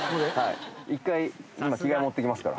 今着替え持ってきますから。